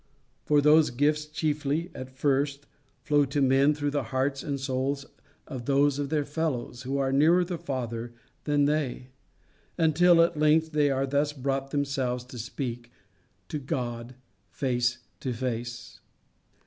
For those gifts chiefly, at first, flow to men through the hearts and souls of those of their fellows who are nearer the Father than they, until at length they are thus brought themselves to speak to God face to face.